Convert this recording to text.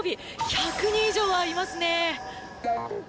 １００人以上はいますね。